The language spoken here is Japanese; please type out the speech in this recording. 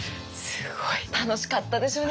すごい。楽しかったでしょうね